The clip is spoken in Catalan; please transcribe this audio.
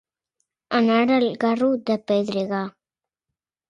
Anar el carro pel pedregar.